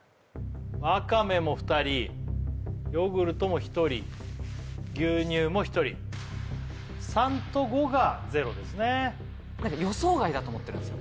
わかめも２人ヨーグルトも１人牛乳も１人３と５が０ですね何か予想外だと思ってるんですよ